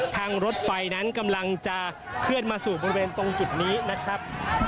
รถไฟนั้นกำลังจะเคลื่อนมาสู่บริเวณตรงจุดนี้นะครับ